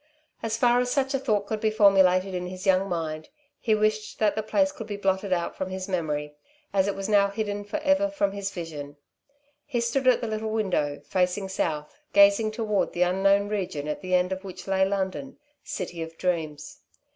As far as such a thought could be formulated in his young mind, he wished that the place could be blotted out from his memory, as it was now hidden forever from his vision. He stood at the little window, facing south, gazing toward the unknown region at the end of which lay London, city of dreams.